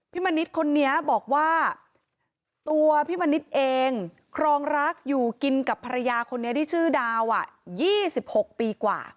มณิษฐ์คนนี้บอกว่าตัวพี่มณิษฐ์เองครองรักอยู่กินกับภรรยาคนนี้ที่ชื่อดาว๒๖ปีกว่า